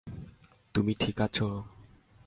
তুমি ঠিক আছ।